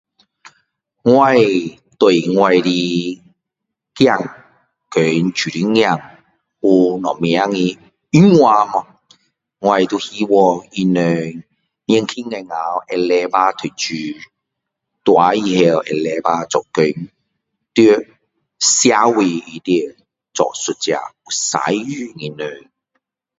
我对我的儿子和女儿有什么的愿望哦我都希望他们年轻时候会努力读书大了会努力做工在社会里面做一个有用的人